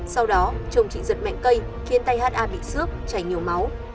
sau đó chồng chị giật mạnh cây khiến tay ha bị xước chảy nhiều máu